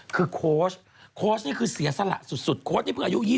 โค้ชนี่คือเสียสละสุดโค้ชนี่เพิ่งอายุ๒๕ปี